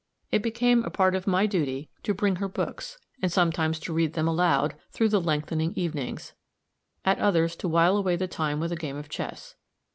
It became a part of my duty to bring her books, and sometimes to read them aloud, through the lengthening evenings; at others to while away the time with a game of chess.